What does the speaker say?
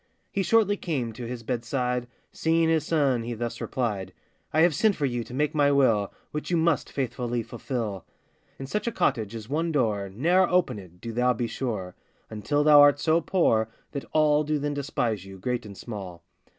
He shortly came to his bedside; Seeing his son, he thus replied: 'I have sent for you to make my will, Which you must faithfully fulfil. 'In such a cottage is one door, Ne'er open it, do thou be sure, Until thou art so poor, that all Do then despise you, great and small.